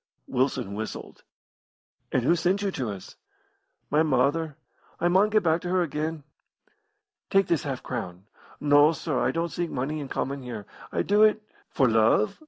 Wilson whistled. "And who sent you to us?" "My mother. I maun get back to her again." "Take this half crown." "No, sir, I don't seek money in comin' here. I do it " "For love?"